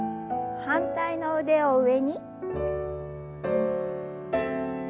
反対の腕を上に。